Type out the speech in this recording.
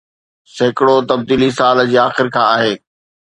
سيڪڙو تبديلي سال جي آخر کان آهي